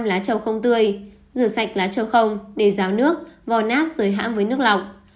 một hai lá trầu không tươi rửa sạch lá trầu không để ráo nước vò nát rồi hãng với nước lọc